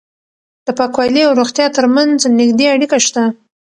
د پاکوالي او روغتیا ترمنځ نږدې اړیکه شته.